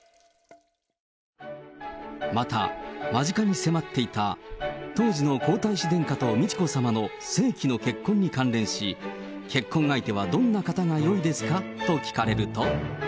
また、間近に迫っていた当時の皇太子殿下と美智子さまの世紀の結婚に関連し、結婚相手はどんな方がよいですか？と聞かれると。